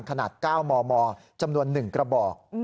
ขนาด๙มมจำนวน๑กระบอก